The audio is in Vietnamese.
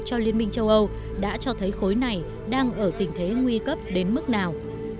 cho liên minh châu âu đã cho thấy khối này đang ở tình thế nguy cấp đến mức nào